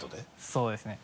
そうですね。